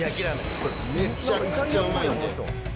これ、めちゃくちゃうまいんで。